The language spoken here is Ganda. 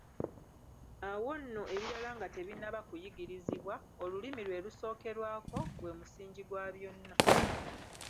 Awo nno ebirala nga tebinnaba kuyigirizibwa, olulimi lwe lusookerwako, gwe musingi gwa byonna.